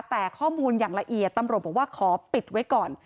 แต่ข้อมูลอย่างละเอียดตำรวจบอกว่าขอปิดไว้ก่อน